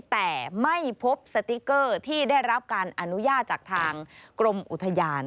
แต่ไม่พบสติ๊กเกอร์ที่ได้รับการอนุญาตจากทางกรมอุทยาน